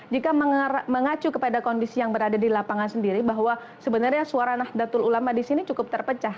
jika mengacu kepada kondisi yang berada di lapangan sendiri bahwa sebenarnya suara nahdlatul ulama di sini cukup terpecah